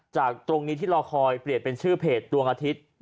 จากตรงนี้ที่รอคอยเปลี่ยนเป็นชื่อเพจดวงอาทิตย์